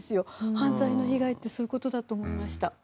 犯罪の被害ってそういう事だと思いました。